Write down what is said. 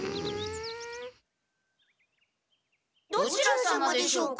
どちら様でしょうか？